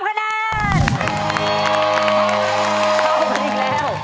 เข้าไปแล้ว